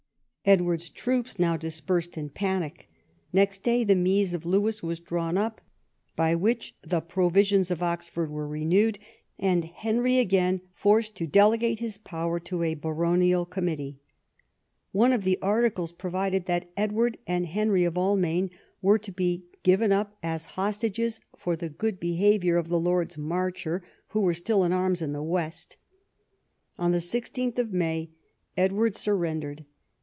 Edward's troops now dispersed in a panic. Next day the Mise of Lewes was drawn up, by which the Provisions of Oxford were renewed, and Henry again forced to delegate his power to a baronial committee. One of the articles provided that Edward and Henry of Almaine were to be given up as hostages for the good behaviour of the Lords Marcher, who were still in arms in the west. On 16th May Edward sur rendered.